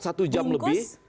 satu jam lebih